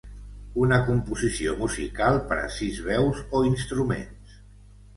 Una composició musical per a sis veus o instruments.